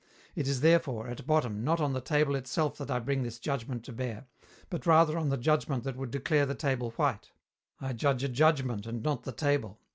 It is therefore, at bottom, not on the table itself that I bring this judgment to bear, but rather on the judgment that would declare the table white. I judge a judgment and not the table.